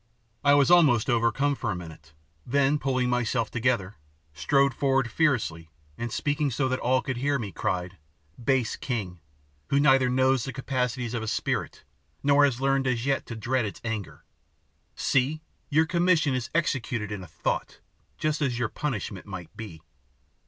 I was almost overcome for a minute; then, pulling myself together, strode forward fiercely, and, speaking so that all could hear me, cried, "Base king, who neither knows the capacities of a spirit nor has learned as yet to dread its anger, see! your commission is executed in a thought, just as your punishment might be.